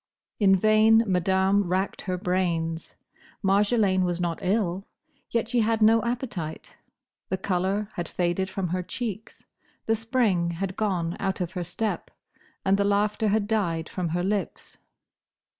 In vain Madame racked her brains. Marjolaine was not ill; yet she had no appetite; the colour had faded from her cheeks; the spring had gone out of her step; and the laughter had died from her lips.